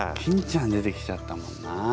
欽ちゃん出てきちゃったもんなあ。